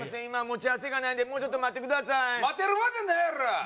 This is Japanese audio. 今持ち合わせがないんでもうちょっと待ってください待てるわけないやろ！